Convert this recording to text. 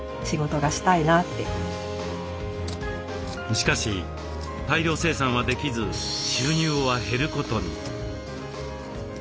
しかし大量生産はできず収入は減ることに。